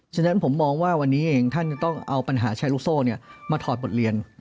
ฉะนั้นผมมองว่าวันนี้เองท่านจะต้องเอาปัญหาแชร์ลูกโซ่มาถอดบทเรียน